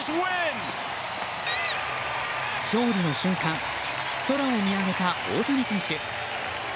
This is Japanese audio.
勝利の瞬間空を見上げた大谷選手。